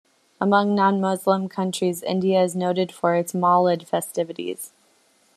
Among non-Muslim countries, India is noted for its Mawlid festivities.